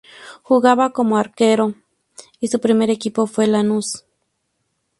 Jugaba como arquero y su primer equipo fue Lanús.